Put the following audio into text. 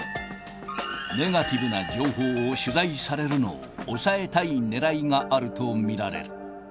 ネガティブな情報を取材されるのを抑えたいねらいがあると見られる。